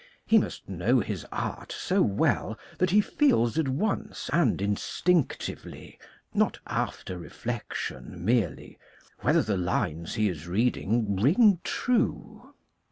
He must know his art so well that he feels at once and instinctively, not after reflection merely, whether the lines he is reading ring true.